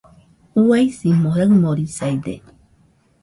Uaisimo raɨmorisaide